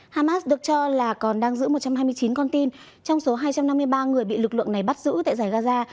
hamas được cho là còn đang giữ một trăm hai mươi chín con tin trong số hai trăm năm mươi ba người bị lực lượng này bắt giữ tại giải gaza